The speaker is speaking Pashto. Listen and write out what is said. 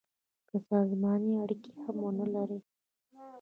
که سازماني اړیکي هم ونه لري.